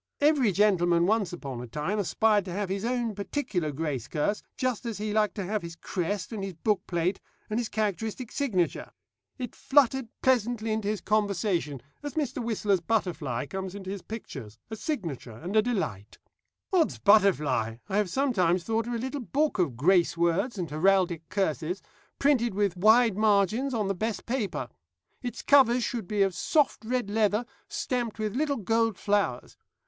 Every gentleman once upon a time aspired to have his own particular grace curse, just as he liked to have his crest, and his bookplate, and his characteristic signature. It fluttered pleasantly into his conversation, as Mr. Whistler's butterfly comes into his pictures a signature and a delight. 'Od's butterfly!' I have sometimes thought of a little book of grace words and heraldic curses, printed with wide margins on the best of paper. Its covers should be of soft red leather, stamped with little gold flowers.